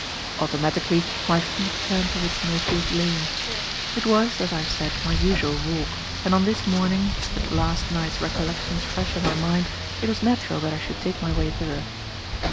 Automatically my feet turned towards Millfield Lane. It was, as I have said, my usual walk, and on this morning, with last night's recollections fresh in my mind, it was natural that I should take my way thither.